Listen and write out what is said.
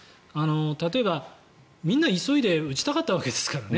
例えば、みんな急いで打ちたかったわけですからね。